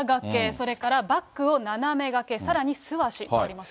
それからバッグを斜め掛け、さらに素足とあります。